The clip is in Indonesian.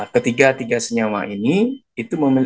ketiga tiga senyawa ini